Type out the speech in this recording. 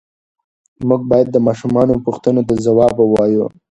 موږ باید د ماشومانو پوښتنو ته ځواب ووایو.